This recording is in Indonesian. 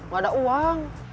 gak ada uang